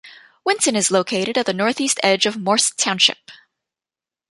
Winton is located at the northeast edge of Morse Township.